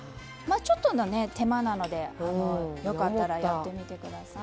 ちょっとの手間なのでよかったらやってみてください。